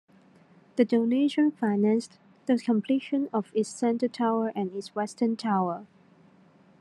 The donation financed the completion of its central tower and its western tower.